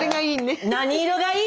何色がいい？